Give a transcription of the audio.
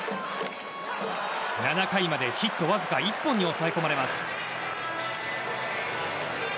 ７回までヒットわずか１本に抑え込まれます。